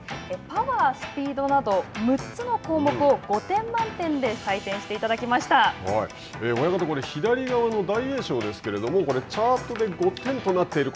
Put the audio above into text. パワー、スピードなど６つの項目を５点満点で親方、左側の大栄翔ですけれどもチャートで５点となっている